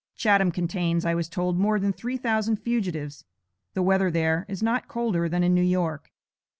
Chatham contains, I was told, more than three thousand fugitives. The weather there, is not colder than in New York.